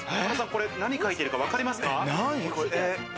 これ何書いてるかわかりますか？